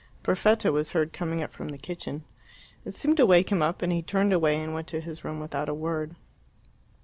Perfetta was heard coming up from the kitchen. It seemed to wake him up, and he turned away and went to his room without a word.